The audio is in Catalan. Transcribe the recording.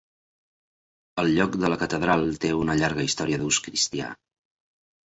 El lloc de la catedral té una llarga història d'ús cristià.